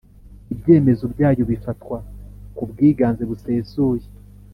Ibyemezo byayo bifatwa ku bwiganze busesuye